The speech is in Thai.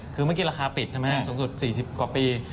คือเมื่อกี้ราคาปิดใช่ไหมสูงสุด๔๐กว่าปี